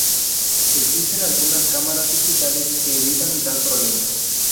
Existen algunas cámaras digitales que evitan tal problema.